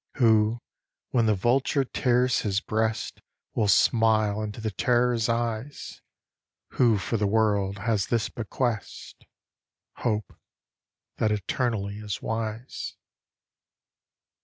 Who when the Vulture tears his breast Will smile into the Terror's Eyes. Who for the World has this Bequest Hope, that eternally is wise.